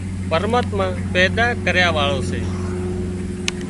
پرماتما پيدا ڪريا واۯو سي